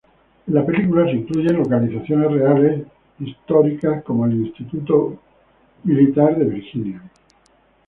En la película se incluyen localizaciones reales históricas como el Instituto Virginia Military.